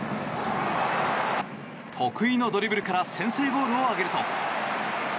得意のドリブルから先制ゴールを挙げると。